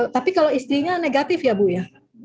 tapi kalau istrinya negatif ya bu ya